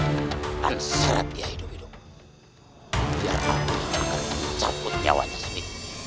dan seratnya hidup hidup nyawa nyawa